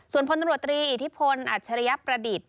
ส่วนพลตำรวจตรีอิทธิพลอัจฉริยประดิษฐ์